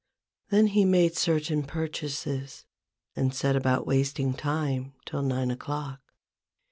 Then he made certain purchases, and set about wasting time till nine o'clock.